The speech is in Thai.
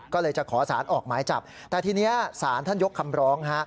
ก็เลยจะขอสารออกหมายจับแต่ทีนี้ศาลท่านยกคำร้อง